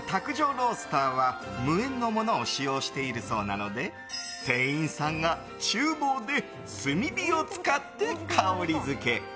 ロースターは無煙のものを使用しているそうなので店員さんが厨房で炭火を使って香りづけ。